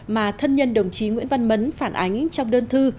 mà thân nhân đồng chí nguyễn văn mấn phản ánh trong đơn thư